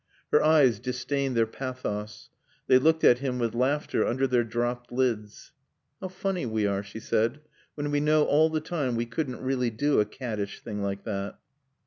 Her eyes disdained their pathos. They looked at him with laughter under their dropped lids. "How funny we are," she said, "when we know all the time we couldn't really do a caddish thing like that."